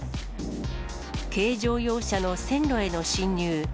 軽乗用車の線路への進入。